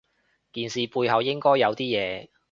件事背後應該有啲嘢